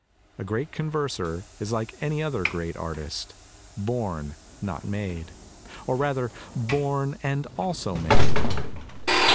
A great converser is like any other great artist, born not made, or rather born and also made.